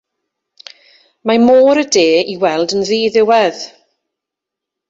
Mae Môr y De i weld yn ddiddiwedd.